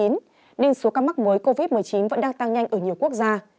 nên số ca mắc mới covid một mươi chín vẫn đang tăng nhanh ở nhiều quốc gia